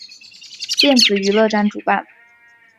电子娱乐展主办。